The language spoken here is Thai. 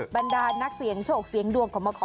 บรรดานนักเสียงโฉกเสียงดวงของมะค้อ